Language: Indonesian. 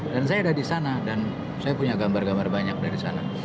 dan saya ada di sana dan saya punya gambar gambar banyak dari sana